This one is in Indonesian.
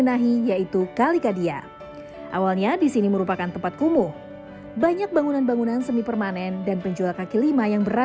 atk lebih banyak juga ya